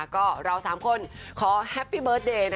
ก็เรา๓คนขอแฮปปี้เบิร์ตเดย์